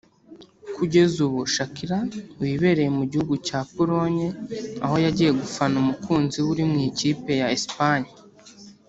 Kugeza ubu Shakira wibereye mu gihugu cya Pologne aho yagiye gufana umukunzi we uri mu ikipe ya Espagne